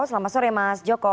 selamat sore mas joko